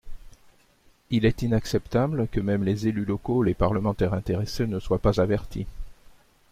Il est inacceptable que même les élus locaux, les parlementaires intéressés ne soient pas avertis.